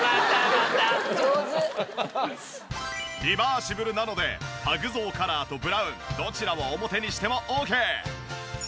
リバーシブルなのでパグゾウカラーとブラウンどちらを表にしてもオーケー。